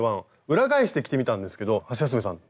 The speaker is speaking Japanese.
裏返して着てみたんですけどハシヤスメさん